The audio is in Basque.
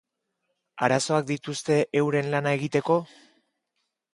Arazoak dituzte euren lana egiteko?